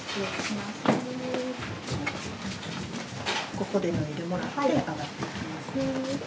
ここで脱いでもらって上がっていきますね